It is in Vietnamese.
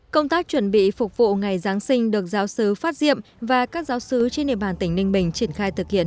công tác chuẩn bị phục vụ ngày giáng sinh được giáo sứ phát diệm và các giáo sứ trên địa bàn tỉnh ninh bình triển khai thực hiện